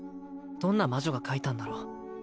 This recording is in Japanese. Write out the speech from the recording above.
どんな魔女が書いたんだろう